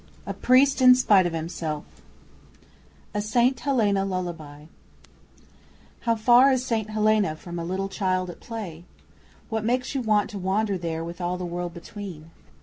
'A PRIEST IN SPITE OF HIMSELF' A St Helena Lullaby How far is St Helena from a little child at play? What makes you want to wander there with all the world between?